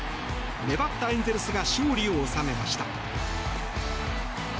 粘ったエンゼルスが勝利を収めました。